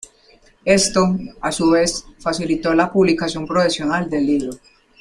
Esto, a su vez, facilitó la publicación profesional del libro.